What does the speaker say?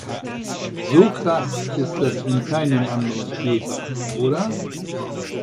So krass ist das in keinem anderen Schulfach, oder?